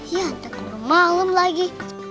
ya tak bermalam lagi